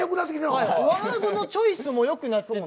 ワードのチョイスもよくなってて。